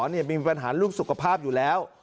มีปัญหาลูกสุขภาพอยู่แล้ว